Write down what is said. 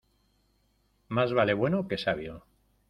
Más vale bueno que sabio.